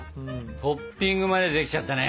トッピングまで出来ちゃったね。